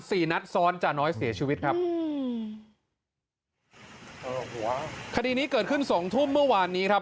สี่นัดซ้อนจาน้อยเสียชีวิตครับอืมคดีนี้เกิดขึ้นสองทุ่มเมื่อวานนี้ครับ